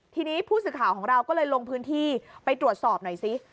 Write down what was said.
ทีนี้ผู้สื่อข่าวของเราก็เลยลงพื้นที่ไปตรวจสอบหน่อยสิ